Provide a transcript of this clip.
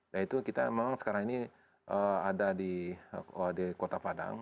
yaitu kita memang sekarang ini ada di kota padang